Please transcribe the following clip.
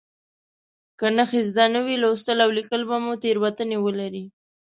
که نښې زده نه وي لوستل او لیکل به مو تېروتنې ولري.